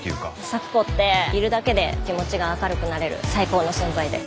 咲子っているだけで気持ちが明るくなれる最高の存在で。